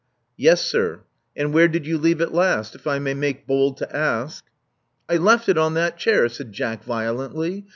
*'Yes, sir. And where did you leave it last, if I may make bold to ask?" I left it on that chair," said Jack violently.